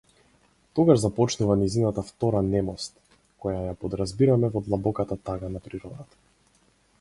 Тогаш започнува нејзината втора немост, која ја подразбираме во длабоката тага на природата.